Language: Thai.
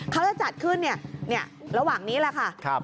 เขาจะจัดขึ้นระหว่างนี้แหละค่ะ